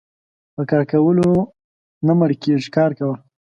په کار کولو نه مړکيږي کار کوه .